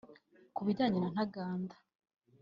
Ku bijyanye na Ntaganda